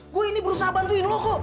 gua ini berusaha bantuin lu kok